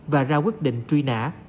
và ra quyết định truy nã